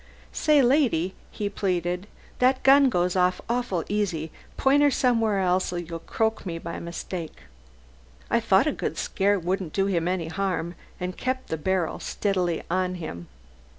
"Say, lady," he pleaded, "that gun goes off awful easy, point her somewhere else or you'll croak me by mistake." I thought a good scare wouldn't do him any harm and kept the barrel steadily on him.